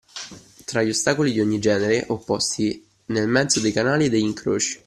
Tra gli ostacoli di ogni genere opposti nel mezzo dei canali e degli incroci